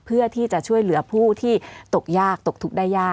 เพื่อที่จะช่วยเหลือผู้ที่ตกยากตกทุกข์ได้ยาก